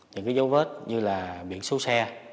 những cái dấu vết như là biển số xe